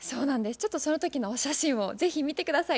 ちょっとその時のお写真を是非見て下さい。